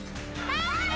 頑張れ。